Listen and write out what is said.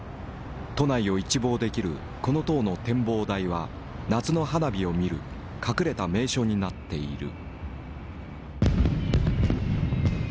都内を一望できるこの塔の展望台は夏の花火を見る隠れた名所になっている。